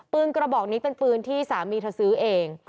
กระบอกนี้เป็นปืนที่สามีเธอซื้อเอง